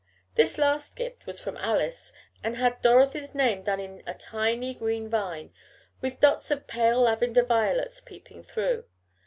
This last gift was from Alice, and had Dorothy's name done in a tiny green vine, with dots of pale lavender violets peeping through.